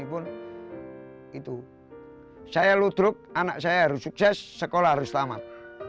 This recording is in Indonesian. kalau saya mau te ringing